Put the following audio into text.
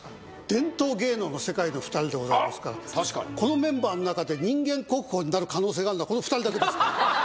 伝統芸能の世界の２人でございますから確かにこのメンバーの中で人間国宝になる可能性があるのはこの２人だけですからははは